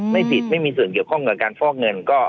ไม่ผิดไม่มีส่วนเกี่ยวข้องกับการฟอกเงิน